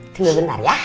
tunggu bentar ya